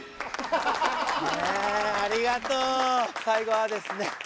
最後はですね